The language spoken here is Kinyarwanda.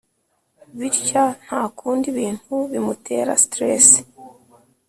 bithya ntakunda ibintu bimutera stress